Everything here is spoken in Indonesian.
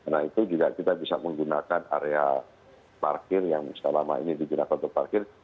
nah itu juga kita bisa menggunakan area parkir yang selama ini digunakan untuk parkir